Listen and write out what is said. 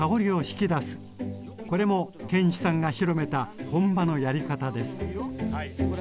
これも建一さんが広めた本場のやり方です。